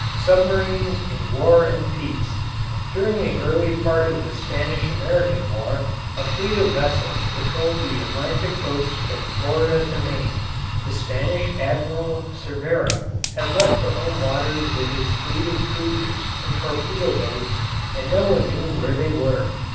SUBMARINES IN WAR AND PEACE During the early part of the Spanish American war a fleet of vessels patrolled the Atlantic coast from Florida to Maine. The Spanish Admiral Cervera had left the home waters with his fleet of cruisers and torpedo boats and no one knew where they were.